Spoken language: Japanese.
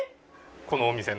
このお店の。